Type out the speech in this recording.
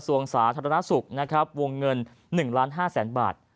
สวงสาธารณสุขวงเงิน๑๕๐๐๐๐๐บาท